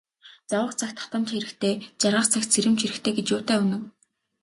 Зовох цагт хатамж хэрэгтэй, жаргах цагт сэрэмж хэрэгтэй гэж юутай үнэн.